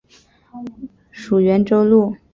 属袁州路。